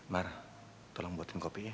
mar tolong buatin kopi ya